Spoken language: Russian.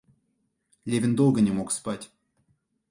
Левин долго не мог спать.